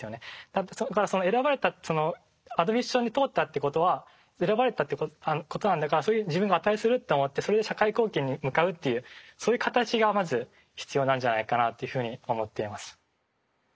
だからその選ばれたアドミッションに通ったっていうことは選ばれたっていうことなんだからそれに自分が値すると思ってそれで社会貢献に向かうというそういう形がまず必要なんじゃないかなというふうに思っています。